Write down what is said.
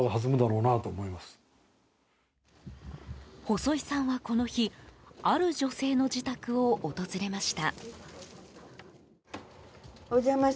細井さんはこの日ある女性の自宅を訪れました。